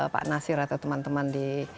pak nasir atau teman teman di